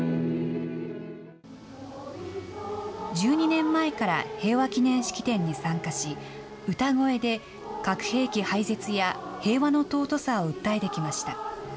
１２年前から平和祈念式典に参加し、歌声で核兵器廃絶や平和の尊さを訴えてきました。